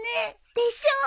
でしょ！